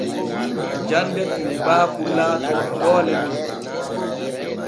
Jande tuubaaku laato doole men.